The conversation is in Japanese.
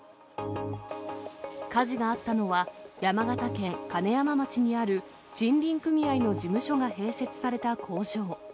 火事があったのは、山形県金山町にある、森林組合の事務所が併設された工場。